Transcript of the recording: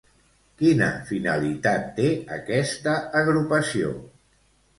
Quina finalitat té aquesta agrupació?